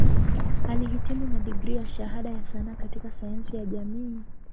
Alihitimu na digrii ya Shahada ya Sanaa katika Sayansi ya Jamii.